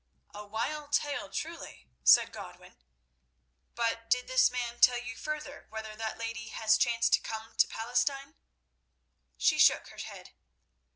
"A wild tale truly," said Godwin. "But did this man tell you further whether that lady has chanced to come to Palestine?" She shook her head.